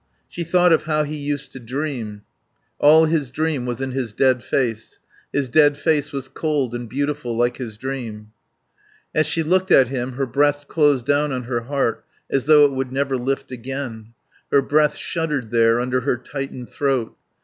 She thought of how he used to dream. All his dream was in his dead face; his dead face was cold and beautiful like his dream. As she looked at him her breast closed down on her heart as though it would never lift again; her breath shuddered there under her tightened throat.